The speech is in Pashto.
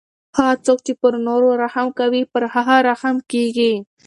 هغه څوک چې پر نورو رحم کوي پر هغه رحم کیږي.